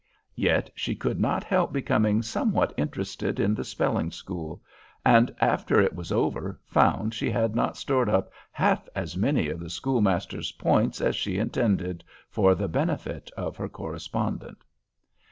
Yet she could not help becoming somewhat interested in the spelling school, and after it was over found she had not stored up half as many of the schoolmaster's points as she intended, for the benefit of her correspondent.